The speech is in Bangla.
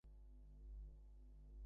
আমি রাতের বেলায় চোখে কম দেখি।